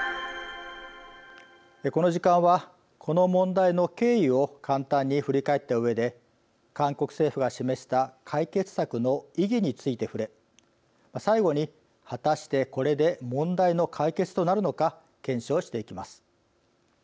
この時間はこの問題の経緯を簡単に振り返ったうえで韓国政府が示した解決策の意義について触れ最後に、果たしてこれで問題の解決となるのか検証していきます。